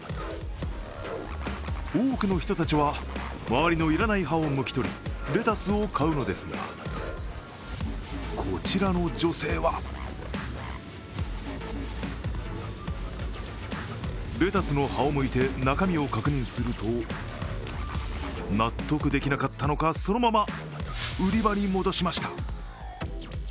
多くの人たちは周りのいらない葉をむき取りレタスを買うのですが、こちらの女性はレタスの葉をむいて中身を確認すると納得できなかったのかそのまま売り場に戻しました。